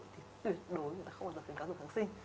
thì tuyệt đối người ta không bao giờ khuyến cáo dùng tháng sinh